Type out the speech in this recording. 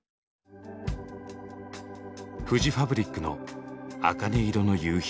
フジファブリックの「茜色の夕日」。